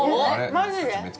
マジで？